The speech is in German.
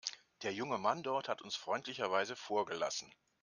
Der junge Mann dort hat uns freundlicherweise vorgelassen.